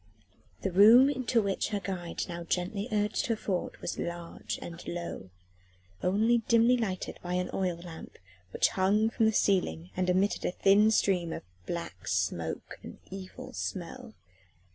The room into which her guide now gently urged her forward was large and low, only dimly lighted by an oil lamp which hung from the ceiling and emitted a thin stream of black smoke and evil smell.